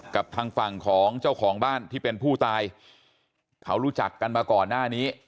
กับทางฝั่งของเจ้าของบ้านที่เป็นผู้ตายเขารู้จักกันมาก่อนหน้านี้